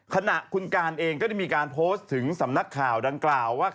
ขณะคุณการเองก็ได้มีการโพสต์ถึงสำนักข่าวดังกล่าวว่า